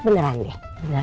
beneran deh beneran